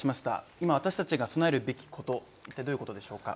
今、私たちが備えるべきことはどういうことでしょうか？